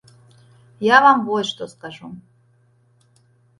Я вам вось што скажу.